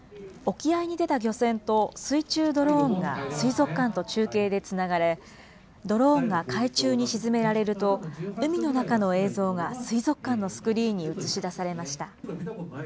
沖合に出た漁船と水中ドローンが水族館と中継でつながれ、ドローンが海中に沈められると、海の中の映像が水族館のスクリーンに映し出されました。